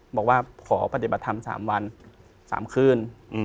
บอกว่าขอปฏิบัติธรรม๓วัน๓คืน